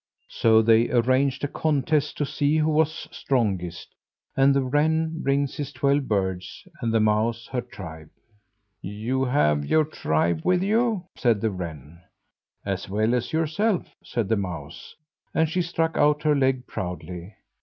So they arranged a contest to see who was strongest, and the wren brings his twelve birds, and the mouse her tribe. "You have your tribe with you," said the wren. "As well as yourself," said the mouse, and she struck out her leg proudly.